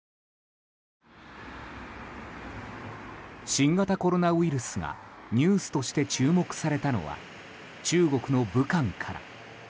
新型コロナウイルスがニュースとして注目されたのは中国の武漢から。